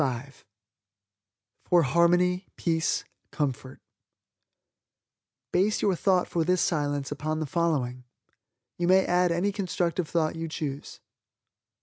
FOR HARMONY, PEACE, COMFORT Base your thought for this Silence upon the following. You may add any constructive thought you choose.